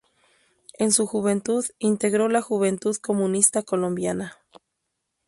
En su juventud integró la Juventud Comunista Colombiana.